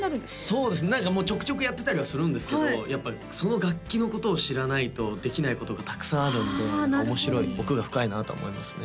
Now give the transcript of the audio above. そうですね何かもうちょくちょくやってたりはするんですけどやっぱその楽器のことを知らないとできないことがたくさんあるんで面白い奥が深いなとは思いますね